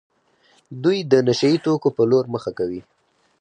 دوی د نشه يي توکو په لور مخه کوي.